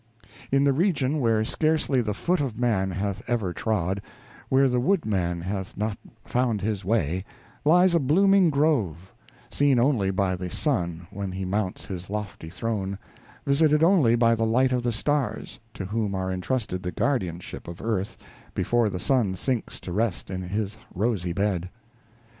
In the region where scarcely the foot of man hath ever trod, where the woodman hath not found his way, lies a blooming grove, seen only by the sun when he mounts his lofty throne, visited only by the light of the stars, to whom are entrusted the guardianship of earth, before the sun sinks to rest in his rosy bed.